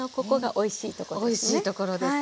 おいしいところですね。